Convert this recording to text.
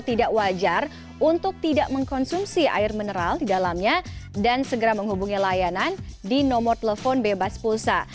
tidak wajar untuk tidak mengkonsumsi air mineral di dalamnya dan segera menghubungi layanan di nomor telepon bebas pulsa